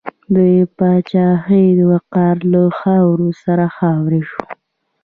د پاچاهۍ وقار له خاورو سره خاورې شو.